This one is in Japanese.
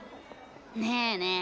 ねえねえ